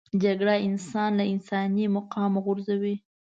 جګړه انسان له انساني مقامه غورځوي